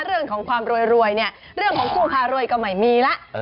เรื่องของความรวยเนี่ยเรื่องของคู่ค่ารวยก็ไม่มีแล้ว